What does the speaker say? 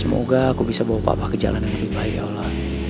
semoga aku bisa bawa papa ke jalan yang lebih baik ya allah